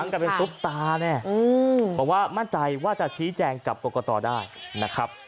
กลับมาเป็นซุปตาเนี่ยบอกว่ามั่นใจว่าจะชี้แจงกับโกกตอได้นะครับ